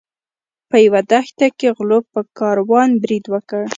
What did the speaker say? په یوه دښته کې غلو په کاروان برید وکړ.